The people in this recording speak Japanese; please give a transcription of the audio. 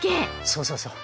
そうそうそう。